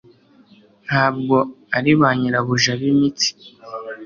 Ntabwo ari ba nyirabuja bimitsi